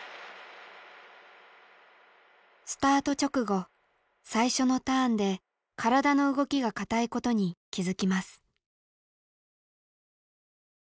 スタート直後最初のターンで体の動きが硬いことに気付きます。